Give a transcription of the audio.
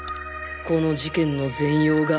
この事件の全容が！